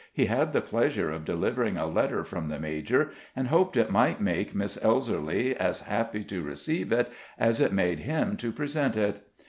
He had the pleasure of delivering a letter from the major, and hoped it might make Miss Elserly as happy to receive it as it made him to present it.